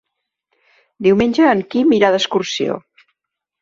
Diumenge en Quim irà d'excursió.